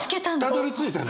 たどりついたの？